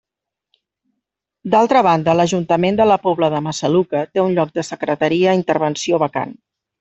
D'altra banda, l'Ajuntament de La Pobla de Massaluca té un lloc de secretaria intervenció vacant.